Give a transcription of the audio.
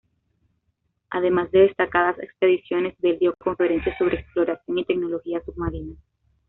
Además de destacadas expediciones, Bell dio conferencias sobre exploración y tecnología submarinas.